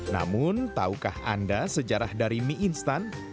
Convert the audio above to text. namun tahukah anda sejarah dari mie instan